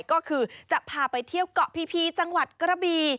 ก็คือจะพาไปเที่ยวเกาะพีจังหวัดกระบี